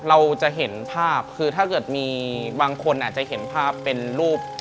เราจะเห็นภาพคือถ้าเกิดมีบางคนอาจจะเห็นภาพเป็นรูป